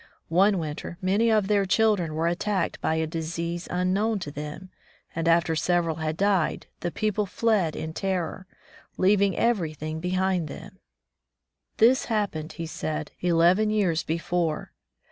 One winter many of their children were attacked by a disease unknown to them, and after several had died, the people fled in terror, leaving everything behind them. This happened, he said, eleven years before.